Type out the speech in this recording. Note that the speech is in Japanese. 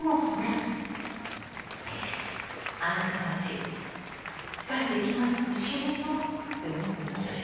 あなたたち２人で気まずくて死にそうって思ってたでしょ？